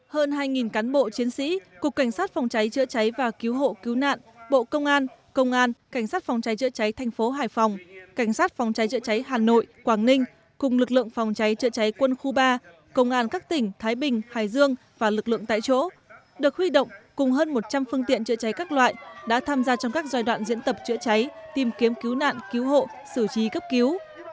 hơn hai cán bộ chiến sĩ cục cảnh sát phòng cháy chữa cháy và cứu hộ cứu nạn bộ công an công an cảnh sát phòng cháy chữa cháy thành phố hải phòng cảnh sát phòng cháy chữa cháy hà nội quảng ninh cùng lực lượng phòng cháy chữa cháy quân khu ba công an các tỉnh thái bình hải dương và lực lượng tại chỗ được huy động cùng hơn một trăm linh phương tiện chữa cháy các loại đã tham gia trong các giai đoạn diễn tập chữa cháy tìm kiếm cứu nạn cứu hộ xử trí cấp cứu